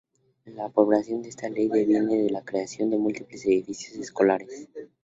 La aprobación de esta Ley deviene en la creación de múltiples edificios escolares.